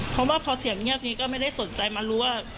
เพราะว่าพอเสียงเงียบนี้ก็ไม่ได้สนใจมารู้ว่า